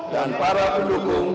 dan para pendukung